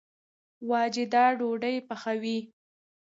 واجده ډوډۍ پخوي